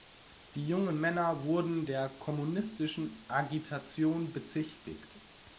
Die jungen Männer wurden der kommunistischen Agitation bezichtigt.